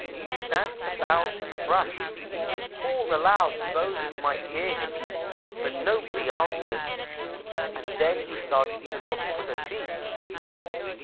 He stamped about in the brush and called aloud to those who might hear him; but nobody answered, and then he started to look for the thief.